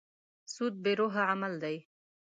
سود بې روحه عمل دی.